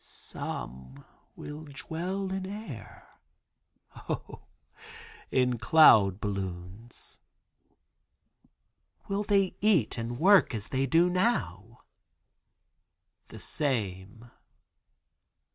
skeptic. "Some will dwell in air; O, in cloud balloons." "Will they eat and work as they do now?" "The same."